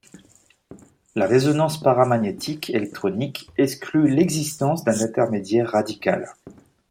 La résonance paramagnétique électronique exclut l'existence d'un intermédiaire radical.